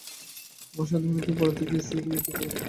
আমরা সহধর্মিণীকে গড়তে গিয়ে স্ত্রীকে বিকৃত করি।